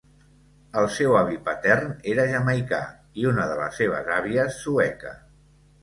El seu avi patern era jamaicà i una de les seves àvies, sueca.